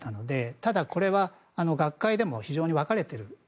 ただこれは学界でも非常に分かれている。